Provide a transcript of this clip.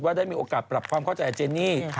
ได้มีโอกาสปรับความเข้าใจกับเจนี่